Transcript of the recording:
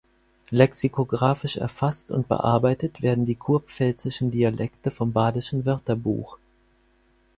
Lexikographisch erfasst und bearbeitet werden die kurpfälzischen Dialekte vom Badischen Wörterbuch.